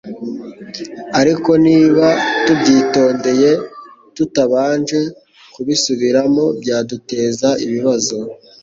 ariko niba tubyitondeye tutabanje kubisubiramo byaduteza ibibazo,